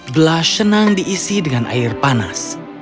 gelas senang diisi dengan air panas